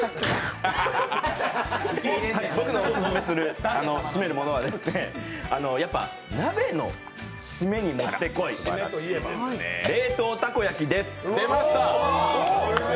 僕のオススメする締まるものは鍋の締めにもってこい冷凍たこ焼きです。